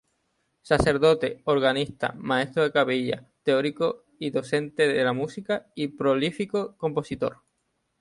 Sacerdote, organista, maestro de capilla, teórico y docente de la música y prolífico compositor.